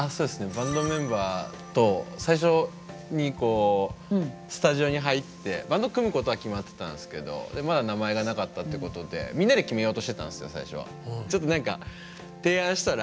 バンドメンバーと最初にこうスタジオに入ってバンド組むことは決まってたんですけどまだ名前がなかったってことでそんなひどいことを！